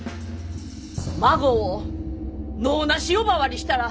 孫を「能なし」呼ばわりしたら許さんぞね！